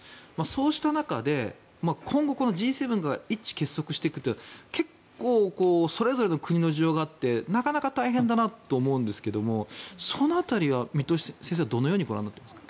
そうした中で、今後、Ｇ７が一致結束していくというのは結構それぞれの国の事情があって大変だなと思うんですけどもその辺りはどう見ていますか？